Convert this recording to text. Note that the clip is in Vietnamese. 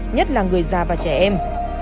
nhất là người già và trẻ em